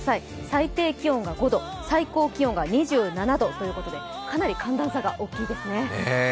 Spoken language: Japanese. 最低気温が５度最高気温が２７度ということでかなり寒暖差が大きいですね。